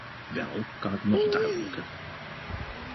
Wel, kan het nog duidelijker?